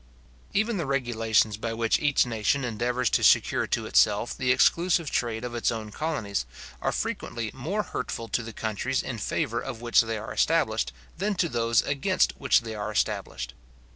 Even the regulations by which each nation endeavours to secure to itself the exclusive trade of its own colonies, are frequently more hurtful to the countries in favour of which they are established, than to those against which they are established.